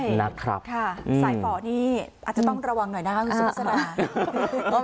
ใช่นะครับค่ะสายฝ่อนี่อาจจะต้องระวังหน่อยนะครับคุณสุสนา